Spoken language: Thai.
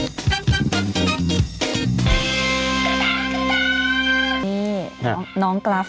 นี่น้องกราฟ